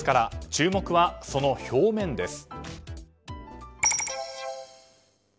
注目はその表面です。